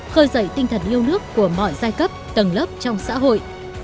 khơi dậy tinh thần yêu nước của mọi giai cấp tầng lớp trong xã hội